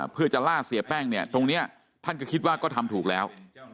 เพื่อจะล่าเสียแป้งเนี่ยตรงนี้ท่านก็คิดว่าก็ทำถูกแล้ว